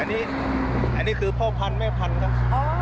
อันนี้อันนี้คือพ่อพันแม่พันครับ